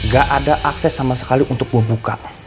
gak ada akses sama sekali untuk gue buka